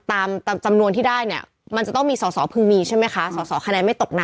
อ่าอ่าอ่าอ่าอ่าอ่าอ่าอ่า